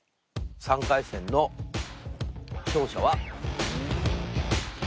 ３回戦の勝者は。